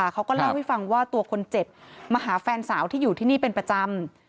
เขาก็เล่าให้ฟังว่าตัวคนเจ็บมาหาแฟนสาวที่อยู่ที่นี่เป็นประจำ